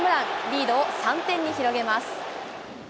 リードを３点に広げます。